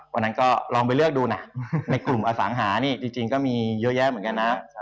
วันนั้นก็ลองไปเลือกดูนะในกลุ่มอสังหานี่จริงก็มีเยอะแยะเหมือนกันนะ